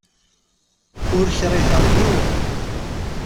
Ur kriheɣ yiwen!